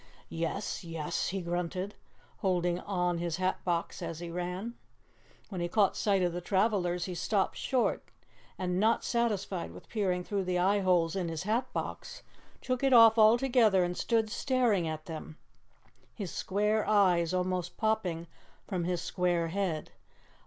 "Yes! Yes?" he grunted, holding on his hat box as he ran. When he caught sight of the travelers, he stopped short, and, not satisfied with peering through the eyeholes in his hat box, took it off altogether and stood staring at them, his square eyes almost popping from his square head.